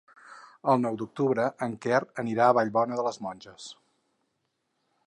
El nou d'octubre en Quer anirà a Vallbona de les Monges.